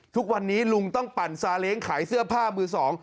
ทุกวันนี้ลุงต้องปั่นซาเล้งขายเสื้อผ้ามือสอง